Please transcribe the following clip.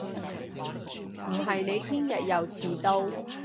唔係你聽日又遲到